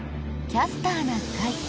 「キャスターな会」。